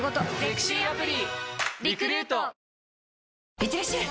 いってらっしゃい！